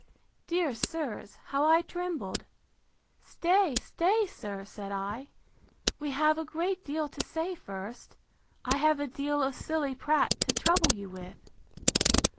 —Dear sirs, how I trembled! Stay, stay, sir, said I: we have a great deal to say first; I have a deal of silly prate to trouble you with!